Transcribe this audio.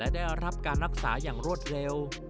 ได้รับการรักษาอย่างรวดเร็ว